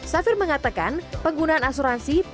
safir mengatakan penggunaan asuransi perlu diiringkan